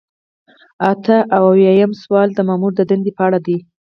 اته اویایم سوال د مامور د دندې په اړه دی.